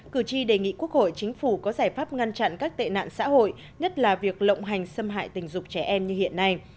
cử tri đề nghị quốc hội chính phủ có giải pháp ngăn chặn các tệ nạn xã hội nhất là việc lộng hành xâm hại tình dục trẻ em như hiện nay